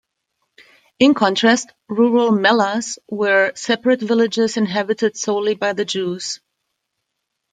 In contrast, rural "mellahs" were separate villages inhabited solely by the Jews.